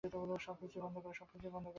সবকিছু বন্ধ কর।